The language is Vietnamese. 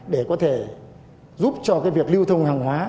để có thể giúp cho cái việc lưu thông hàng hóa